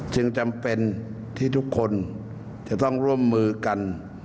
จึงจำเป็นที่ทุกคนจะต้องร่วมมือกัน